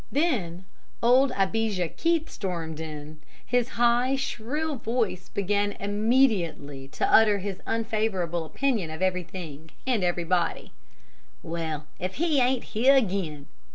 Then old Abijah Keith stormed in, and in his high, shrill voice began immediately to utter his unfavorable opinion of everything and everybody. "Well, if he ain't here again!"